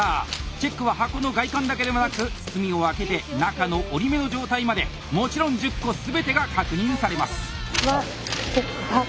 チェックは箱の外観だけではなく包みを開けて中の折り目の状態までもちろん１０個全てが確認されます。